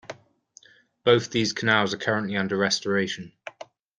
Both these canals are currently under restoration.